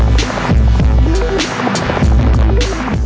แล้วต้องหามาให้เกิดไหว